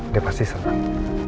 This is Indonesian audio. dia pasti senang